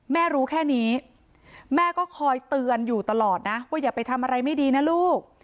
แม่รู้แค่นี้แม่ก็คอยเตือนอยู่ตลอดนะว่าอย่าไปทำอะไรไม่ดีนะลูก